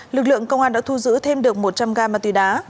lực lượng công an đã thu giữ thêm được một trăm linh ga ma túy đá